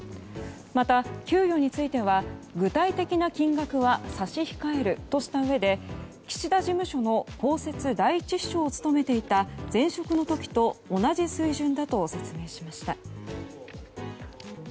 また、給与については具体的な金額は差し控えるとしたうえで岸田事務所の公設第１秘書を務めていた前職の時と同じ水準だと説明しました。